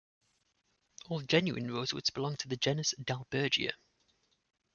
All genuine rosewoods belong to the genus "Dalbergia".